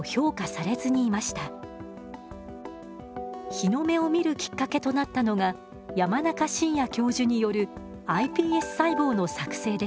日の目を見るきっかけとなったのが山中伸弥教授によるｉＰＳ細胞の作製でした。